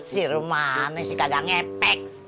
si rumana sih kagak ngepek